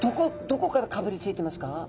どこからかぶりついてますか？